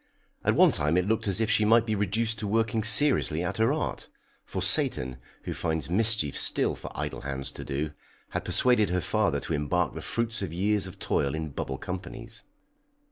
At one time it looked as if she might be reduced to working seriously at her art, for Satan, who finds mischief still for idle hands to do, had persuaded her father to embark the fruits of years of toil in bubble companies.